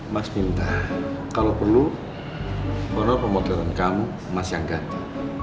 mas minta kalo perlu boner pemotretan kamu mas yang ganti